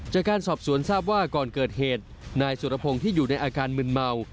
จากการสอบสวนทราบว่าก่อนเกิดเหตุนายสุรพงศ์ที่อยู่ในอาการมึนเมา